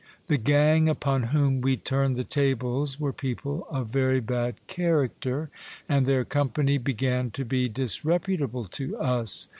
The gang upon whom we turned the tables were people of very bad character, and their company be gan to be disreputable to us.